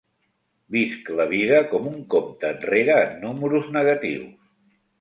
Visc la vida com un compte enrere en números negatius.